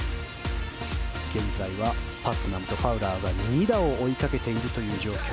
現在はパットナムとファウラーが２打を追いかけている状況。